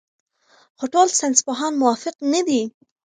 خو ټول ساینسپوهان موافق نه دي.